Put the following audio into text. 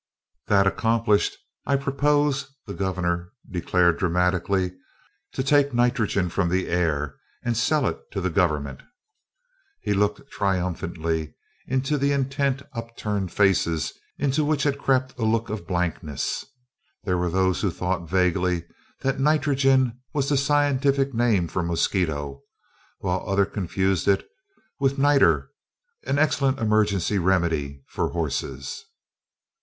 "That accomplished, I propose," the Governor declared dramatically, "to take nitrogen from the air and sell it to the government!" He looked triumphantly into the intent upturned faces into which had crept a look of blankness. There were those who thought vaguely that nitrogen was the scientific name for mosquito, while others confused it with nitre, an excellent emergency remedy for horses.